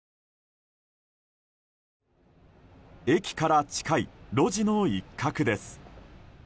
駅から近い路地の一角です。